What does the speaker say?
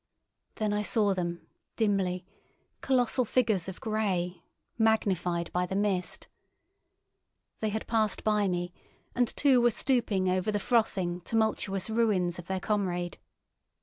Then I saw them dimly, colossal figures of grey, magnified by the mist. They had passed by me, and two were stooping over the frothing, tumultuous ruins of their comrade.